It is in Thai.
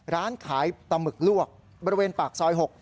ร้านขายปลาหมึกลวกบริเวณปากซอย๖